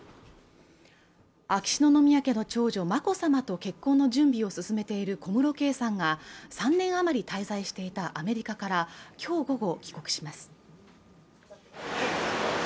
秋篠宮家の長女・眞子さまと結婚の準備を進めている小室圭さんが３年余り滞在していたアメリカから今日午後帰国します